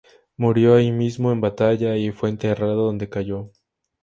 Murió ahí mismo, en batalla, y fue enterrado donde cayó.